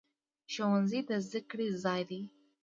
ښوونځی د زده کړې ځای دی